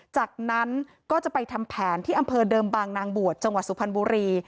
จากนั้นก็จะไปทำแผนที่อำเภอเดิมบางนางบวชจังหวัดสุพรรณบุรี